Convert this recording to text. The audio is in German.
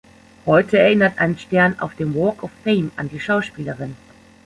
Heute erinnert ein Stern auf dem Walk of Fame an die Schauspielerin.